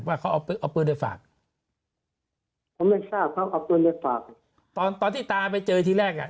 ว่าเขาเอาปืนไปฝากผมไม่ทราบเขาเอาปืนไปฝากตอนตอนที่ตาไปเจอทีแรกอ่ะ